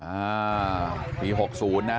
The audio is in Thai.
พ่อใหญ่ตั้งแต่สิบอังกฤษก็ว่าออกมา